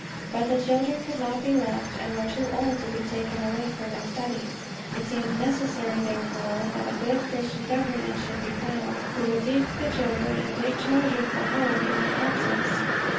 But the children could not be left, and were too old to be taken away from their studies. It seemed necessary, therefore, that a good Christian governess should be found, who would teach the children and take charge of the home in my absence.